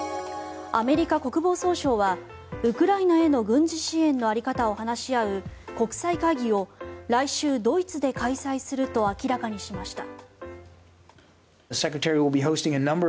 アメリカ国防総省はウクライナへの軍事支援の在り方を話し合う国際会議を来週、ドイツで開催すると明らかにしました。